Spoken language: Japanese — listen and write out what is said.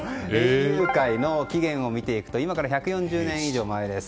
園遊会の起源を見ていくと今から１４０年以上前です。